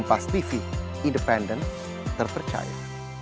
jadi tetap hati hati